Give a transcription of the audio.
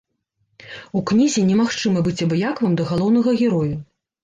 У кнізе немагчыма быць абыякавым да галоўнага героя.